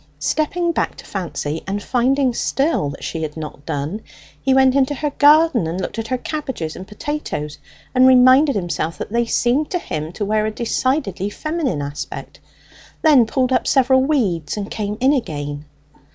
Stepping back to Fancy, and finding still that she had not done, he went into her garden and looked at her cabbages and potatoes, and reminded himself that they seemed to him to wear a decidedly feminine aspect; then pulled up several weeds, and came in again.